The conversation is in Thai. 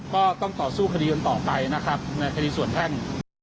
ก็ต้องต่อสู้คดีกันต่อไปนะครับในคดีส่วนแพ่ง